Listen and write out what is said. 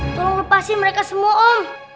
tolong lepasi mereka semua om